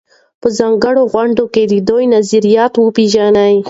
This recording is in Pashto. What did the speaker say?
په ځانګړو غونډو کې د دوی نظریات وپېژنئ.